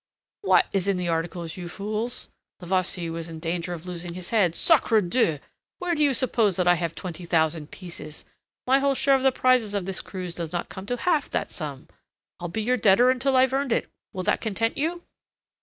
"What is in the articles, you fools?" Levasseur was in danger of losing his head. "Sacre Dieu! Where do you suppose that I have twenty thousand pieces? My whole share of the prizes of this cruise does not come to half that sum. I'll be your debtor until I've earned it. Will that content you?"